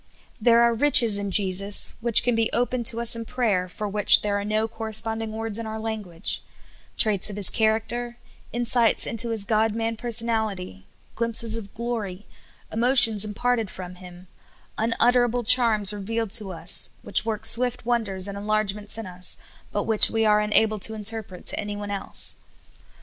There are riches in Jesus which can be opened to us in prayer, for Avhich there are no corresponding words in our language ; traits of His character, in sights into His God man personality, glimpses of glor} , emotions imparted from Him, untitterable charms re vealed to us, which work swift wonders and enlarge ments in us, but which w^e are unable to interpret to an3^one else.